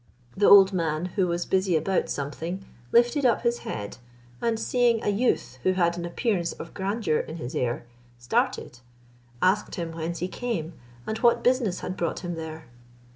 The old man, who was busy about something, lifted up his head, and seeing a youth who had an appearance of grandeur in his air, started, asked him whence he came, and what business had brought him there?